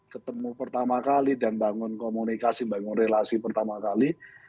ketemu pertama kali dan bangun komunikasi bangun relasi pertama kali